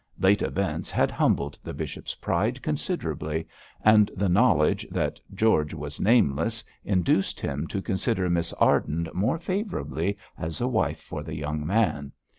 Late events had humbled the bishop's pride considerably; and the knowledge that George was nameless, induced him to consider Miss Arden more favourably as a wife for the young man.